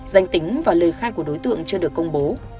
danh tính và lời khai của đối tượng chưa được công bố